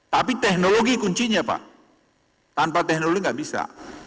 tapi teknologi kuncinya pak tanpa teknologi nggak bisa